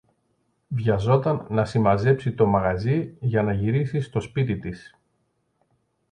βιαζόταν να συμμαζέψει το μαγαζί για να γυρίσει στο σπίτι της